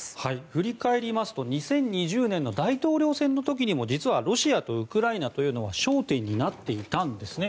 振り返りますと２０２０年の大統領選挙の時にもロシアとウクライナというのは焦点になっていたんですね。